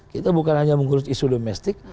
kita bukan hanya mengurus isu domestik